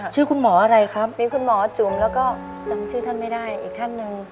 ชื่อคุณหมออะไรครับมีคุณหมอจุ๋มแล้วก็จำชื่อท่านไม่ได้อีกท่านหนึ่ง